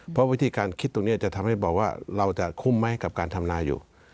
เพราะวิธีการคิดตรงนี้จะทำให้บอกว่าเราจะคุ้มไหมกับการทำนาอยู่